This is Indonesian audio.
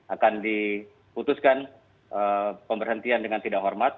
akan diputuskan pemberhentian dengan tidak hormat